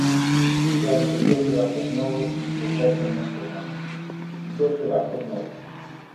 Fixéronse doce barcos novos do cerco nestes anos, ¡doce barcos novos!